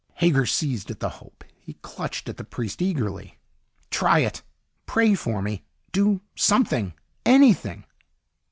Hager seized at the hope. He clutched at the priest eagerly. "Try it! Pray for me! Do something anything!"